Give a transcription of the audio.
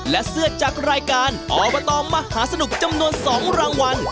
และเสื้อจากรายการอบตมหาสนุกจำนวน๒รางวัล